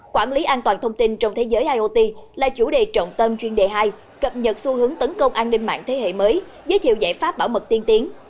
quản lý an toàn thông tin trong thế giới iot là chủ đề trọng tâm chuyên đề hai cập nhật xu hướng tấn công an ninh mạng thế hệ mới giới thiệu giải pháp bảo mật tiên tiến